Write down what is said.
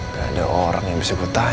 gak ada orang yang bisa gue tanya lagi